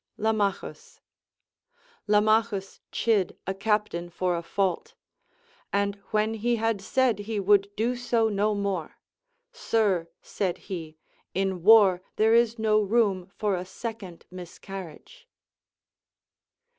Lamachus. Lamachns chid a captain for a fault ; and when he had said he ΛνοηΜ do so no more. Sir, said he, in war there is no room for a second miscarriag e.